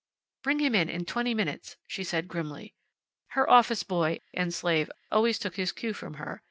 "Bring him in in twenty minutes," she said, grimly. Her office boy (and slave) always took his cue from her.